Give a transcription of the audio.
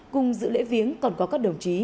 cùng dự lễ viếng còn có các đồng chí